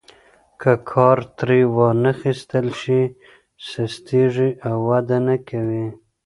که کار ترې وانخیستل شي سستیږي او وده نه کوي.